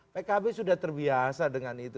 pkb sudah terbiasa dengan itu